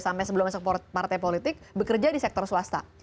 sampai sebelum masuk partai politik bekerja di sektor swasta